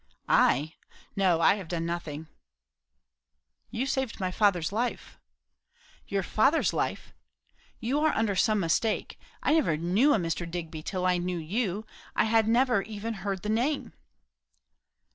"I? No. I have done nothing." "You saved my father's life." "Your father's life? You are under some mistake. I never knew a Mr. Digby till I knew you I never even heard the name."